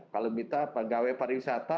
kalau minta pegawai pariwisata